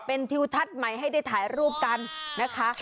เป็นทิวทัศน์ใหม่ให้ได้ถ่ายรูปกันนะคะ